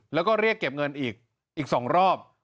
แล้วก็เรียกเก็บเงินอีก๒รอบ